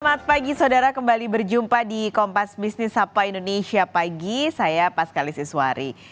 selamat pagi saudara kembali berjumpa di kompas bisnis sapa indonesia pagi saya pas kali siswari